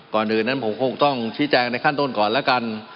ก่อนอื่นนั้นผมคงต้องชี้แจงในขั้นต้นก่อนแล้วกัน